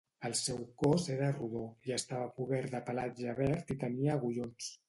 El seu cos era rodó i estava cobert de pelatge verd i tenia agullons